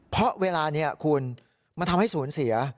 เพราะเวลานี้คุณมันทำให้สูญเสีย